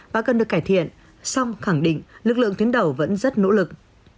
và cần được cải thiện song khẳng định lực lượng tuyến đầu vẫn rất nỗ lực